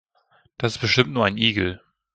Das ist bestimmt nur ein Igel.